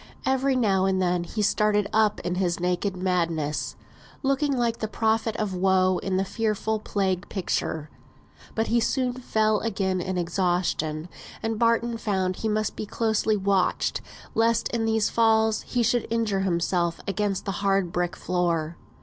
Every now and then he started up in his naked madness, looking like the prophet of woe in the fearful plague picture; but he soon fell again in exhaustion, and Barton found he must be closely watched, lest in these falls he should injure himself against the hard brick floor.